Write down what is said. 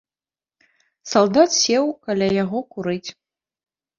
Салдат сеў каля яго курыць.